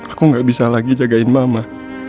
aku gak bisa lagi jagain mama